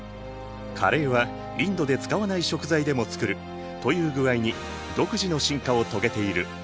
カレーはインドで使わない食材でも作るという具合に独自の進化を遂げている。